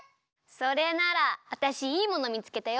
それならわたしいいものみつけたよ！